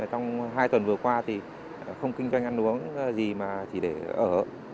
trong hai tuần vừa qua thì không kinh doanh ăn uống gì mà chỉ để ở